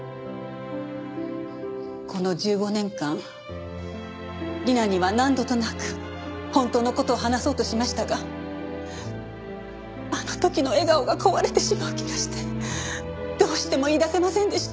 この１５年間理奈には何度となく本当の事を話そうとしましたがあの時の笑顔が壊れてしまう気がしてどうしても言い出せませんでした。